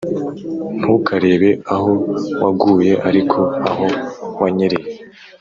ntukarebe aho waguye, ariko aho wanyerera